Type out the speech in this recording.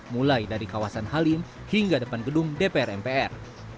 mulai dari kawasan halim hingga depan gedung dpr mpr